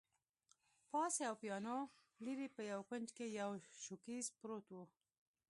پاس یوه پیانو، لیري په یوه کونج کي یو شوکېز پروت وو.